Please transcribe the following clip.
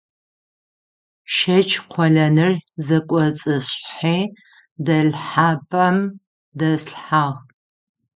ШэкӀ къолэныр зэкӀоцӀысщыхьи дэлъхьапӀэм дэслъхьагъ.